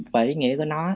bởi ý nghĩa của nó